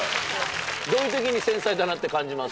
どういう時に繊細だなって感じます？